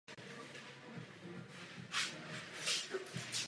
Už v té době pravidelně vystupoval na koncertech.